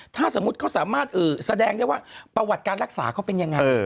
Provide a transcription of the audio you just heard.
ถ้าสมมุติเขาสามารถแสดงได้ว่าประวัติการรักษาเขาเป็นยังไง